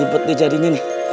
ribet dia jadi ini nih